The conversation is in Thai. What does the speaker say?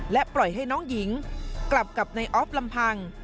ปล่อยให้น้องหญิงกลับกับในออฟลำพัง